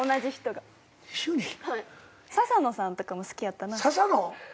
笹野さんとかも好きやったな。